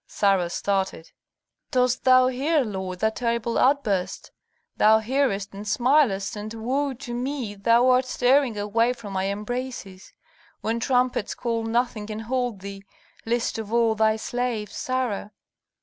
Sarah started. "Dost thou hear, lord, that terrible outburst? Thou hearest and smilest, and, woe to me, thou art tearing away from my embraces. When trumpets call nothing can hold thee, least of all thy slave, Sarah."